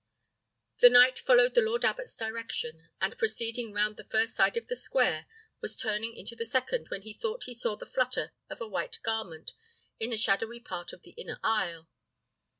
The knight followed the lord abbot's direction; and proceeding round the first side of the square, was turning into the second, when he thought he saw the flutter of a white garment in the shadowy part of the inner aisle.